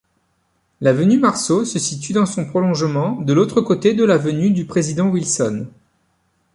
L'avenue Marceau se situe dans son prolongement, de l'autre côté de l'avenue du Président-Wilson.